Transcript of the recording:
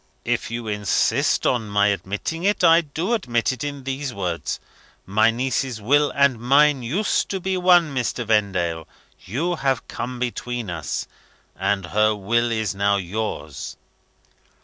"If you insist on my admitting it, I do admit it in those words. My niece's will and mine used to be one, Mr. Vendale. You have come between us, and her will is now yours.